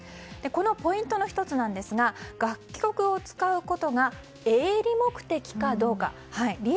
このポイントの１つなんですが楽曲を使うことが営利目的かどうか。